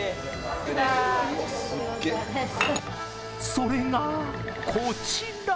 それが、こちら。